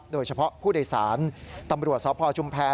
โดยเฉพาะผู้โดยสารตำรวจสพชุมแพร